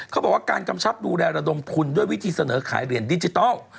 เขาบอกว่าการกำชับดูแลระดมทุนด้วยวิธีเสนอขายเหรียญดิจิทัล